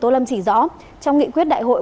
tô lâm chỉ rõ trong nghị quyết đại hội